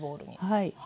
はい。